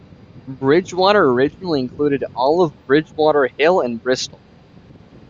Bridgewater originally included all of Bridgewater Hill and Bristol.